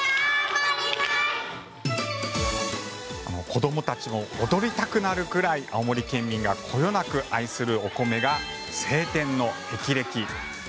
子どもたちも踊りたくなるくらい青森県民がこよなく愛するお米が青天の霹靂。